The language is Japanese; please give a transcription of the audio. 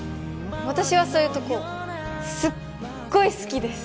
私はそういうとこすっごい好きです